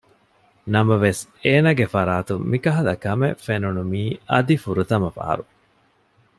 ނަމަވެސް އޭނަގެ ފަރާތުން މިކަހަލަ ކަމެއް ފެނުނު މީ އަދި ފުރަތަމަ ފަހަރު